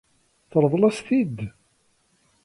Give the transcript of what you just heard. Teṛḍel-as-t-id?